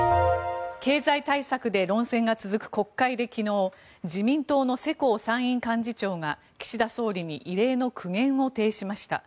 経済対策で論戦が続く国会で昨日自民党の世耕参院幹事長が岸田総理に異例の苦言を呈しました。